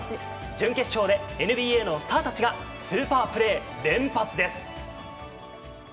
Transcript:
準決勝でＮＢＡのスターたちがスーパープレー、連発です。